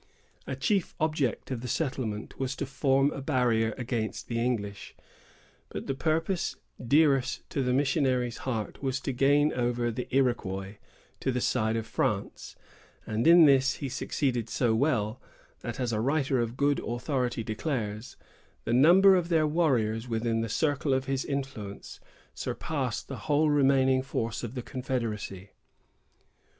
A chief object of the settlement was to form a barrier against the English; but the purpose dearest to the missionary's heart was to gain over the Iroquois to the side of France; and in this he succeeded so well, that, as a writer of good authority declares, the number of their warriors within the circle of his influence surpassed the whole remaining force of the confederacy.